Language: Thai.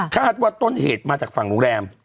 คาดว่าต้นเหตุมาจากฝั่งโรงแรม